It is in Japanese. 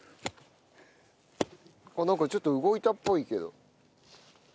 あっなんかちょっと動いたっぽいけど。